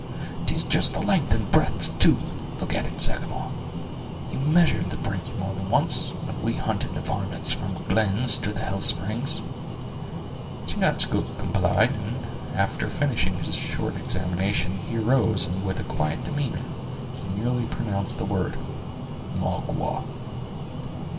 'Tis just the length and breadth, too! look at it, Sagamore; you measured the prints more than once, when we hunted the varmints from Glenn's to the health springs." Chingachgook complied; and after finishing his short examination, he arose, and with a quiet demeanor, he merely pronounced the word: "Magua!"